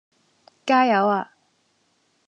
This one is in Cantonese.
加油呀